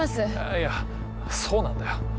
いやそうなんだよ。